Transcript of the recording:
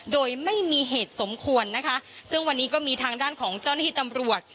โดยไม่มีเหตุสมควรนะคะซึ่งวันนี้ก็มีทางด้านของเจ้าหน้าที่ตำรวจ